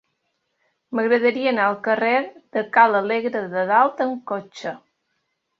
M'agradaria anar al carrer de Ca l'Alegre de Dalt amb cotxe.